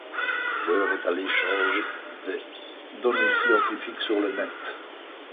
L'heure est à l'échange des données scientifiques sur le net.